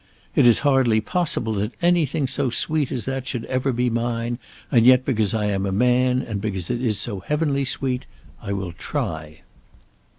"It is hardly possible that anything so sweet as that should ever be mine; and yet, because I am a man, and because it is so heavenly sweet, I will try."